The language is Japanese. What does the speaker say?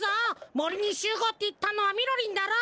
もりにしゅうごうっていったのはみろりんだろ。